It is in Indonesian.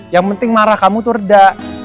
yang penting marah kamu tuh reda